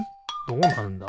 どうなるんだ？